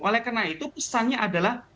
oleh karena itu pesannya adalah